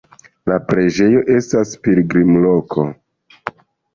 La preĝejo estas pilgrimloko.